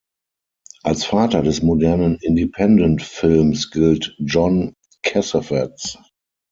Als Vater des modernen Independent-Films gilt John Cassavetes.